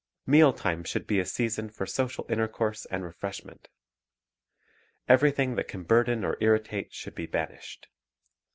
Meal time should be a season for social intercourse and refreshment. Everything that can burden or irri tate should be banished.